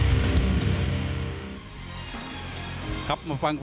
กับสัญญาณสันติธรรมดาลัยสนับสมัยหน้าอันสุด